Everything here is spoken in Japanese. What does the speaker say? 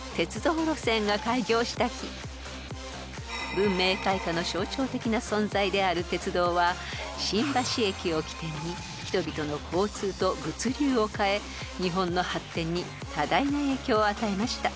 ［文明開化の象徴的な存在である鉄道は新橋駅を起点に人々の交通と物流を変え日本の発展に多大な影響を与えました］